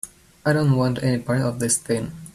I don't want any part of this thing.